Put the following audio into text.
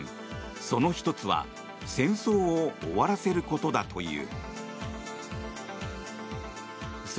その１つは戦争を終わらせることだという。